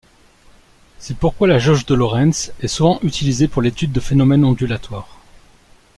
C'est pourquoi la jauge de Lorenz est souvent utilisée pour l'étude de phénomènes ondulatoires.